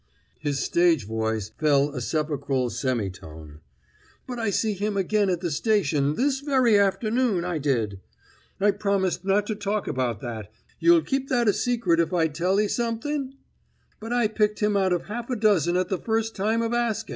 His stage voice fell a sepulchral semitone. "But I see him again at the station this very afternoon, I did! I promised not to talk about that you'll keep that a secret if I tell 'e somethin'? but I picked him out of half a dozen at the first time of askin'!"